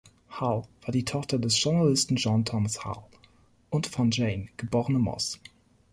Hull war die Tochter des Journalisten John Thomas Hull und von Jane, geborene Moss.